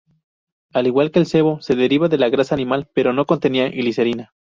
Al igual que el sebo, se derivaba de grasa animal, pero no contenía glicerina.